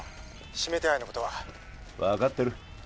指名手配のことは分かってる